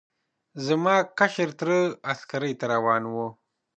زما کشر تره عسکرۍ ته روان و.